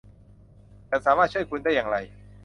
ฉันสามารถช่วยคุณได้อย่างไร